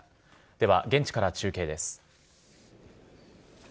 では、現地から中継です。